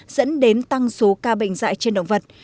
dẫn đến tăng số ca bệnh dạy trên động vật